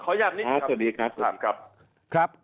ขออย่างนี้ครับสวัสดีครับ